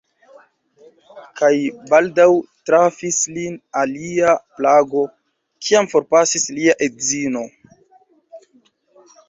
Kaj baldaŭ trafis lin alia plago, kiam forpasis lia edzino.